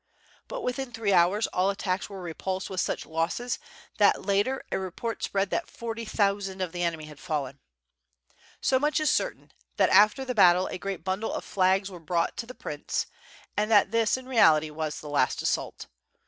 But within three hours all attacks were repulsed with such losses that later a report spread that forty thousand of the enemy had fallen. So much is certain, that after the battle, a great bundle of flags were brought to the prince, and that this in reality was the last assault.